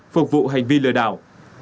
phục vụ hành vi lừa đảo